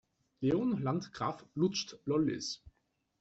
Leonie Landgraf lutscht Lollis.